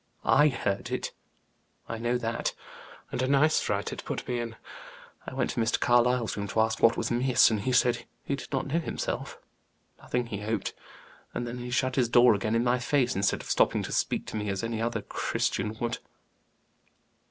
I heard it, I know that, and a nice fright it put me in. I went to Mr. Carlyle's room to ask what was amiss, and he said he did not know himself nothing, he hoped. And then he shut his door again in my face, instead of stopping to speak to me as any other Christian would."